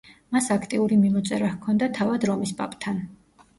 მას აქტიური მიმოწერა ჰქონდა თავად რომის პაპთან.